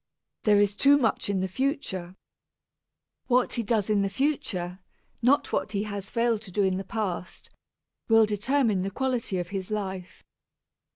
There is too much in the future. What he does in the future, not what he has failed to do in the past, will determine the quality of his life.